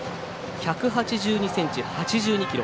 １８２ｃｍ、８２ｋｇ。